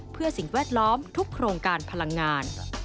เพื่อสิ่งแวดล้อมทุกโครงการพลังงาน